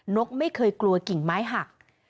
นกไม่เคยกลัวกิ่งไม้หัก